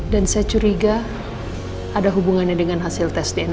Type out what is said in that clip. dan saya curiga ada hubungannya dengan hasil tes dna reina